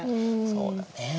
そうだね。